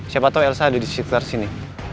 siapa tahu elsa ada di sekitar sini